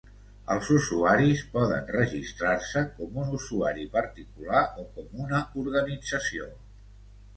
Els usuaris poden registrar-se com un usuari particular o com una organització.